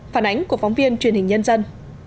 phản ánh của phóng viên truyền hình nhân dân